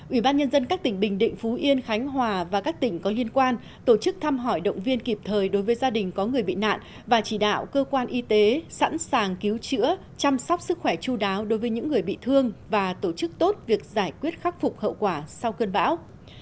ủy ban nhân dân các tỉnh bình định phú yên khánh hòa và các tỉnh có liên quan tổ chức thăm hỏi động viên kịp thời đối với gia đình có người bị nạn và chỉ đạo cơ quan y tế sẵn sàng cứu chữa chăm sóc sức khỏe chú đáo đối với những người bị thương và tổ chức tốt việc giải quyết khắc phục hậu quả sau cơn bão